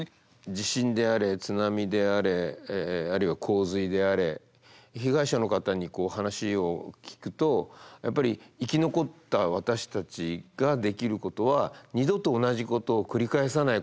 地震であれ津波であれあるいは洪水であれ被害者の方に話を聞くとやっぱり生き残った私たちができることは二度と同じことを繰り返さないことだって。